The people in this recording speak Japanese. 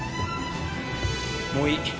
もういい！